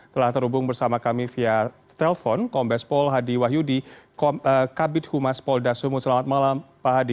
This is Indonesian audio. telah terhubung bersama kami via telpon kombes pol hadi wahyudi kabit humas polda sumut selamat malam pak hadi